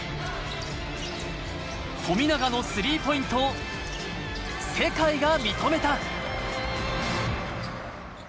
富永のスリーポイントを世界が認めた。